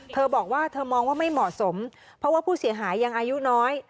เธอบอกว่าเธอมองว่าไม่เหมาะสมเพราะว่าผู้เสียหายยังอายุน้อย